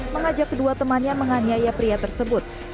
mengajak kedua temannya menganiaya pria tersebut